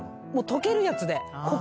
溶けるやつで。